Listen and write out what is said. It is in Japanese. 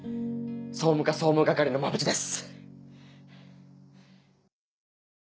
総務課総務係の馬淵です。